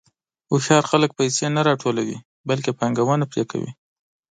هوښیار خلک پیسې نه راټولوي، بلکې پانګونه پرې کوي.